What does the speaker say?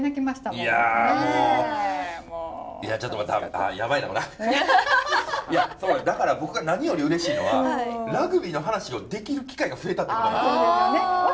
いやだから僕が何よりうれしいのはラグビーの話をできる機会が増えたってことなんです。